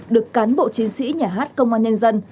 được cán bộ chiến sĩ nhà hát công an nhân dân